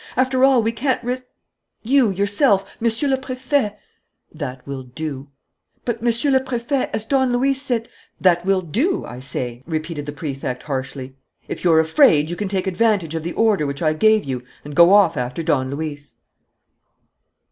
After all, we can't risk You, yourself, Monsieur le Préfet " "That will do." "But, Monsieur le Préfet, as Don Luis said " "That will do, I say!" repeated the Prefect harshly. "If you're afraid, you can take advantage of the order which I gave you and go off after Don Luis."